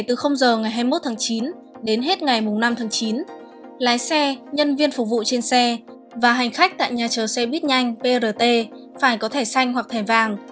hai mươi một tháng chín đến hết ngày năm tháng chín lái xe nhân viên phục vụ trên xe và hành khách tại nhà chờ xe buýt nhanh prt phải có thẻ xanh hoặc thẻ vàng